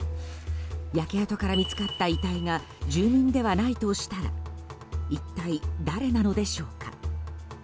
焼け跡から見つかった遺体が住人ではないとしたら一体誰なのでしょうか。